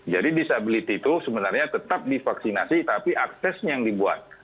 jadi disability itu sebenarnya tetap divaksinasi tapi aksesnya yang dibuat